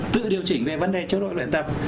tự điều chỉnh về vấn đề chế độ luyện tập